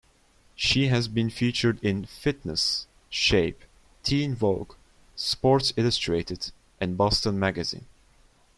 She has been featured in "Fitness", Shape, "Teen Vogue", "Sports Illustrated", and "Boston Magazine".